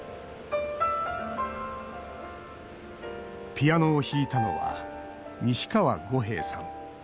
ピアノを弾いたのは西川悟平さん。